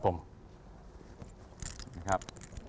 ครับ